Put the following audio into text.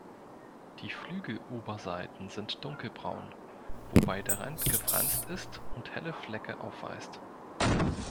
Die Flügeloberseiten sind dunkelbraun, wobei der Rand gefranst ist und helle Flecke aufweist.